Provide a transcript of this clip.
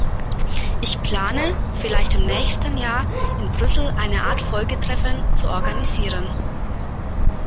Ich plane, vielleicht im nächsten Jahr in Brüssel eine Art Folgetreffen zu organisieren.